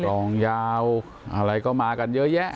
รองยาวอะไรก็มากันเยอะแยะ